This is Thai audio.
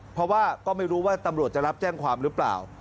เพราะว่าก็ไม่รู้ว่าตำรวจจะรับแจ้งความหรือเปล่า